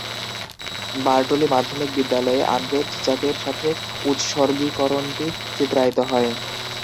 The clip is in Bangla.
বার্টলি মাধ্যমিক বিদ্যালয়ে আন্দ্রে চিচাকের সাথে উৎসর্গীকরণটি চিত্রায়িত হয়।